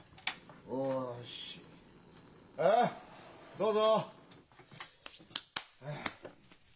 どうぞ。